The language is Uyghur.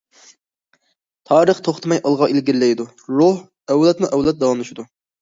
تارىخ توختىماي ئالغا ئىلگىرىلەيدۇ، روھ ئەۋلادمۇئەۋلاد داۋاملىشىدۇ.